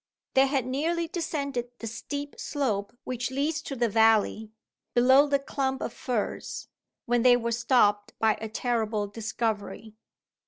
They had nearly descended the steep slope which leads to the valley, below the clump of firs, when they were stopped by a terrible discovery.